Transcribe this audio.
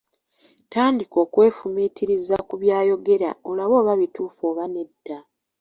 Tandika okwefumiitiriza ku by'ayogera olabe oba bituufu oba nedda.